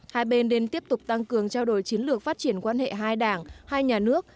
hai bên đang tiếp tục tăng cường trao đổi chiến lược phát triển quan hệ hai đảng hai nhà nước